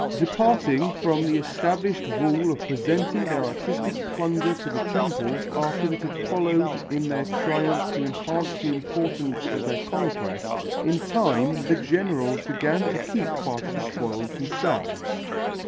Departing from the established rule of presenting their artistic plunder to the temples after it had followed in their triumphs to enhance the importance of their conquest, in time the generals began to keep part of the spoil themselves.